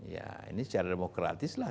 ya ini secara demokratis lah